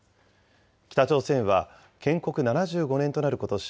北朝鮮は建国７５年となることし